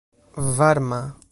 varma